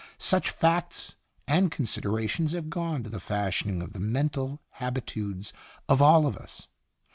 Such facts and considerations have gone to the fashioning of the mental habitudes of all of us.